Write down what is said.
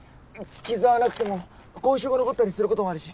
傷はなくても後遺症が残ったりすることもあるし。